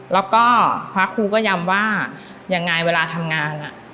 แล้วก็พระครูก็ย้ำว่ายังไงเวลาทำงาน